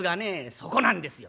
「そこなんですよ。